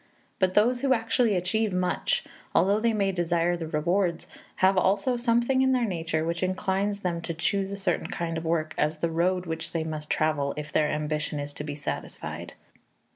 But those who actually achieve much, although they may desire the rewards, have also something in their nature which inclines them to choose a certain kind of work as the road which they must travel if their ambition is to be satisfied.